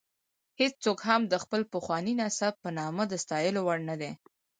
هېڅوک هم د خپل پخواني نسب په نامه د ستایلو وړ نه دی.